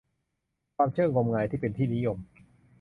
ความเชื่องมงายที่เป็นที่นิยม